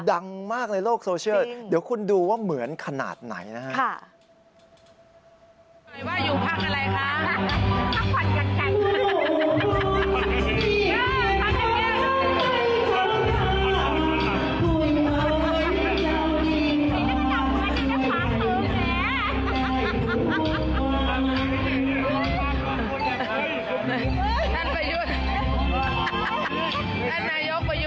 ดังมากในโลกโซเชียลเดี๋ยวคุณดูว่าเหมือนขนาดไหนนะครับ